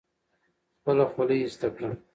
خپله خولۍ ایسته کړه.